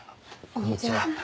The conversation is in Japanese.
こんにちは。